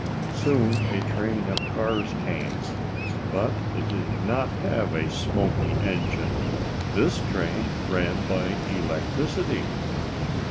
Soon a train of cars came, but it did not have a smoky engine. This train ran by electricity.